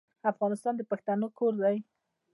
افغانستان د پښتنو کور دی.